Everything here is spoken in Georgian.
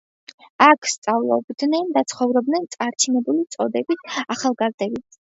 აქ სწავლობდნენ და ცხოვრობდნენ წარჩინებული წოდების ახალგაზრდები.